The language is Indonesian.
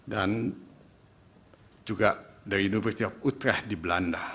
dan juga dari university of utrecht di belanda